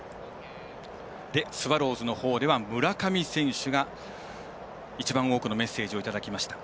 スワローズのほうは村上選手が一番多くのメッセージをいただきました。